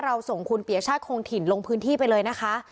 ส่งคุณปียชาติคงถิ่นลงพื้นที่ไปเลยนะคะ